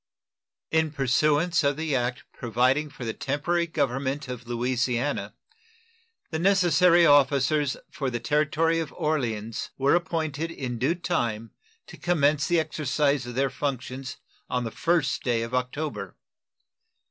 In pursuance of the act providing for the temporary government of Louisiana, the necessary officers for the Territory of Orleans were appointed in due time to commence the exercise of their functions on the first day of October.